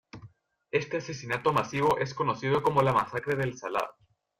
Este asesinato masivo es conocido como la Masacre de El Salado.